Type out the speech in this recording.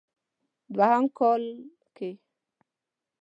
دوهم کال کې